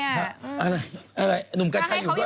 อะไรนุ่มกัลใช้อยู่ด้วยหรอ